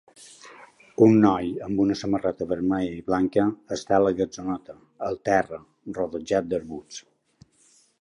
Un noi amb una samarreta vermella i blanca està a la gatzoneta al terra rodejat d'arbusts